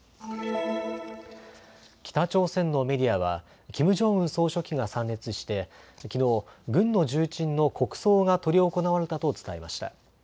北朝鮮のメディアはキム・ジョンウン総書記が参列してきのう軍の重鎮の国葬が執り行われたと伝えました。